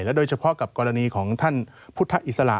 โดยเฉพาะกับกรณีของท่านพุทธอิสระ